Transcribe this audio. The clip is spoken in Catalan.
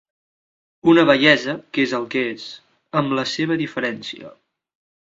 Una bellesa que és el que és, amb la seva diferència.